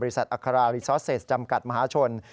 บริษัทอัคราลรีซอสเซสจำกัดมหาชน